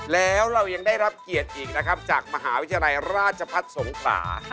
แล้วเรายังได้รับเกียรติอีกนะครับจากมหาวิทยาลัยราชพัฒน์สงขลา